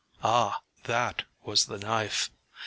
â (Ah, that was the knife!)